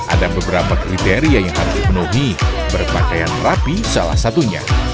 ada beberapa kriteria yang harus dipenuhi berpakaian rapi salah satunya